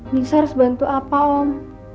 nixa harus bantu apa om